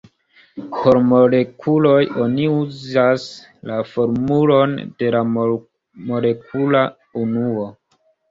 Por molekuloj, oni uzas la formulon de la molekula unuo.